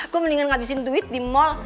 gue mendingan ngabisin duit di mall